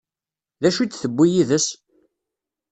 D acu i d-tewwi yid-s?